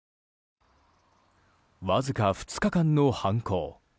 わずか２日間の犯行。